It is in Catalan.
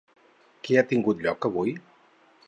Què ha tingut lloc avui?